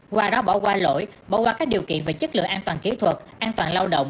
qua đó bỏ qua lỗi bỏ qua các điều kiện về chất lượng an toàn kỹ thuật an toàn lao động